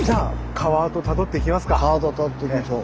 川跡たどっていきましょう。